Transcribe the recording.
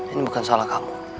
ini bukan salah kamu